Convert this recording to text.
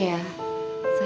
saya fitri natasha